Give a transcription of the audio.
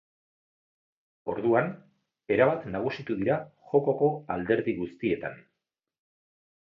Orduan, erabat nagusitu dira jokoko alderdi guztietan.